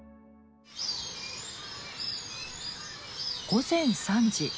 午前３時。